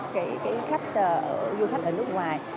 cái khách du khách ở nước ngoài